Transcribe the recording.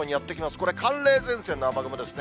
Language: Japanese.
これ、寒冷前線の雨雲ですね。